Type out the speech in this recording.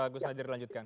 guz nadir lanjutkan